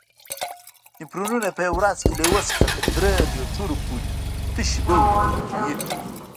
نفرونونه په ورځ کې له یو څخه تر دریو لیترو پورې تشې بولې تولیدوي.